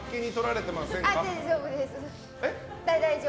大丈夫です。